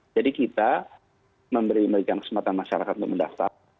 jadi kita memberikan kesempatan masyarakat untuk mendaftar